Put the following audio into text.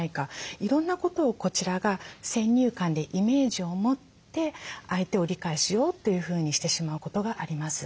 いろんなことをこちらが先入観でイメージを持って相手を理解しようというふうにしてしまうことがあります。